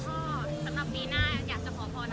รวมไปถึงจะมีการจุดเทียนด้วยในข้ามคืนนี้